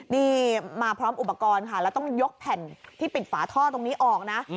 นี่มาพร้อมอุปกรณ์ค่ะแล้วต้องยกแผ่นที่ปิดฝาท่อตรงนี้ออกนะ